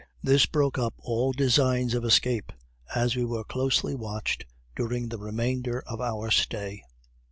This broke up all designs of escape, as we were closely watched during the remainder of our stay.